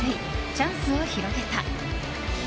チャンスを広げた。